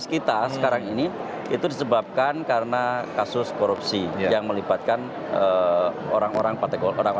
kita sekarang ini itu disebabkan karena kasus korupsi yang melibatkan orang orang partai orang